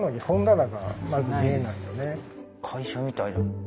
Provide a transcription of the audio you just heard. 会社みたいな。